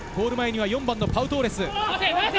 ゴール前に４番、パウ・トーレス。